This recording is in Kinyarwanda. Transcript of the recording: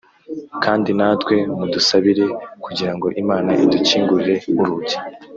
Kandi natwe mudusabire kugira ngo Imana idukingurire urugi